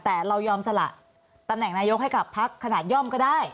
แต่เรายอมสละตำแหน่งนายกให้กับพักขนาดย่อมก็ได้